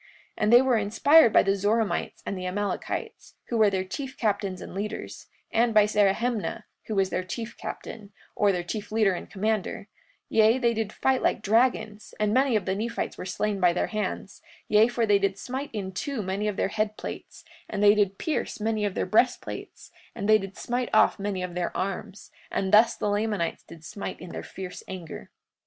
43:44 And they were inspired by the Zoramites and the Amalekites, who were their chief captains and leaders, and by Zerahemnah, who was their chief captain, or their chief leader and commander; yea, they did fight like dragons, and many of the Nephites were slain by their hands, yea, for they did smite in two many of their head plates, and they did pierce many of their breastplates, and they did smite off many of their arms; and thus the Lamanites did smite in their fierce anger.